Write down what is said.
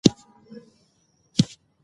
ازادي راډیو د روغتیا ته پام اړولی.